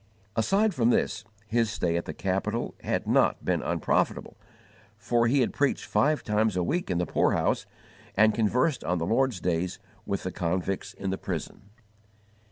Aside from this, his stay at the capital had not been unprofitable, for he had preached five times a week in the poorhouse and conversed on the Lord's days with the convicts in the prison.